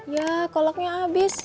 ya kolaknya abis